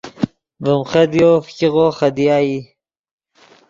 ڤیم خدیو فګیغو خدیا ای